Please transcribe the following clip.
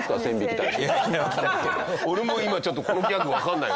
俺も今ちょっとこのギャグわからないわ。